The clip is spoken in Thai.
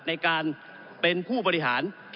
ก็ได้มีการอภิปรายในภาคของท่านประธานที่กรกครับ